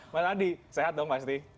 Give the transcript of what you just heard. mas adi sehat dong pasti